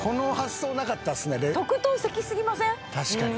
確かに。